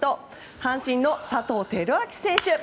阪神の佐藤輝明選手。